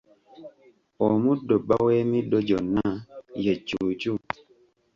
Omuddo bba w'emiddo gyonna ye cuucu